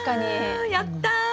やった！